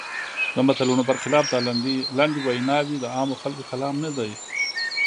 د متلونو پر خلاف دا لنډې ویناوی د عامو خلکو کلام نه دی.